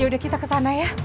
yaudah kita kesana ya